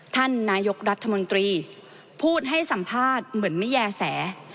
ท่านนายกรัฐมนตรีพูดให้สัมภาษณ์เหมือนไม่แย่แส